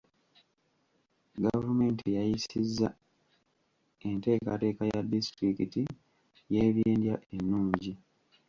Gavumenti yayisizza enteekateeka ya disitulikiti y'ebyendya ennungi.